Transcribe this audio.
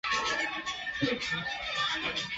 该团秘书长郭长乐。